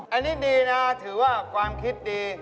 อันนี้ดีนะถือว่าความคิดดี